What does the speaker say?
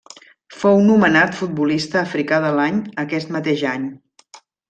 Fou nomenat Futbolista africà de l'any aquest mateix any.